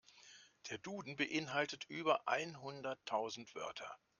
Der Duden beeinhaltet über einhunderttausend Wörter.